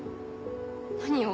何を？